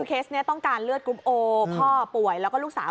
เคสนี้ต้องการเลือดกรุ๊ปโอพ่อป่วยแล้วก็ลูกสาว